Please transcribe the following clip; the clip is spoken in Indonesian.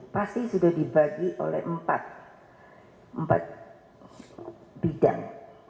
pasti sudah dibagi oleh empat bidang